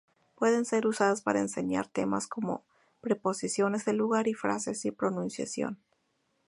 Pueden ser usadas para enseñar temas como preposiciones de lugar, frases y pronunciación.